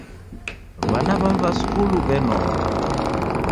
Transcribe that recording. W'ana w'amu w'a skulu w'enonwa.